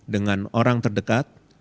dengan orang terdekat